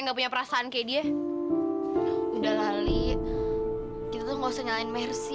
katanya kamu butuh uang kan